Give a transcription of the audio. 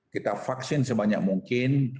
kita vaksin sebanyak mungkin